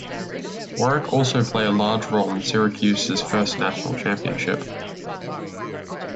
Warrick also play a large role in Syracuse's first National Championship.